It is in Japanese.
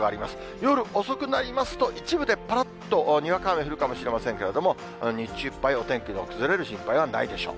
夜遅くなりますと、一部でぱらっとにわか雨、降るかもしれませんけれども、日中いっぱい、お天気の崩れる心配はないでしょう。